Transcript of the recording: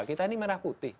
kita ini merah putih